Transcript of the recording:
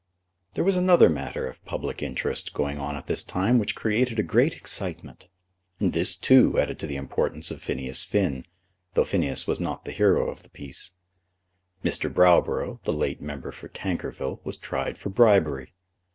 There was another matter of public interest going on at this time which created a great excitement. And this, too, added to the importance of Phineas Finn, though Phineas was not the hero of the piece. Mr. Browborough, the late member for Tankerville, was tried for bribery.